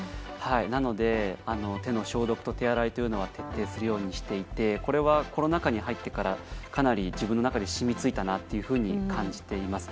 なので手の消毒と手洗いというのは徹底するようにしていてこれはコロナ禍に入ってからかなり自分の中で染みついたなと感じています。